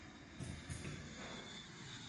Se encuentran en África al sur del Sahara.